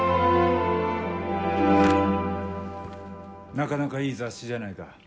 なかなかいい雑誌じゃないか。